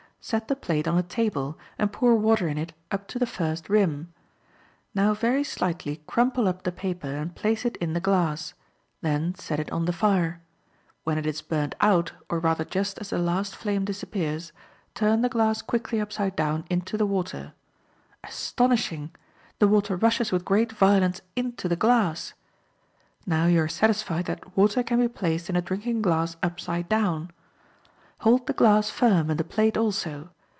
Set the plate on a table, and pour water in it up to the first rim. Now very slightly crumple up the paper, and place it in the glass; then set it on the fire. When it is burnt out, or rather just as the last flame disappears, turn the glass quickly upside down into the water. Astonishing! the water rushes with great violence into the glass! Now you are satisfied that water can be placed in a drinking glass upside down. Hold the glass firm, and the plate also.